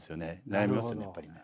悩みますよねやっぱりね。